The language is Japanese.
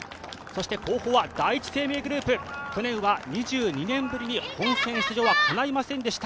後方は第一生命グループ、去年は２２年ぶりに本戦出場はかないませんでした。